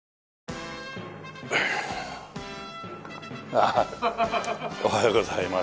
ああおはようございます。